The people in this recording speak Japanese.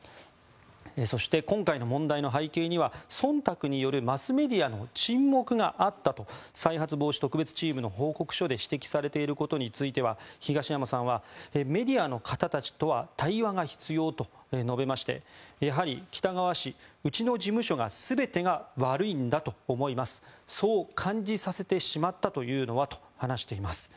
そして、今回の問題の背景にはそんたくによるマスメディアの沈黙があったと再発防止特別チームの調査報告書で指摘されていることについては東山さんはメディアの方たちとは対話が必要と述べましてやはり、喜多川氏うちの事務所が全てが悪いんだと思いますそう感じさせてしまったというのはと話しています。